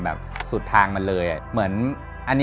เราก็ไม่สนุกเหมือนกัน